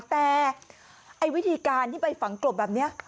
แต่ไอ้วิธีการที่ไปฝังกลบแบบนี้